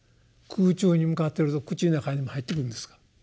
空中に向かってると口の中に入ってくるんですか？